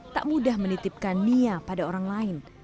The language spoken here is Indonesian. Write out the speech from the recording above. tak mudah menitipkan nia pada orang lain